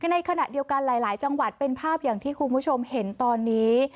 ในขณะเดียวกันหลายจังหวัดเป็นภาพอย่างที่คุณผู้ชมเห็นตอนนี้